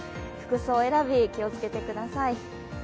服装選び気をつけてください。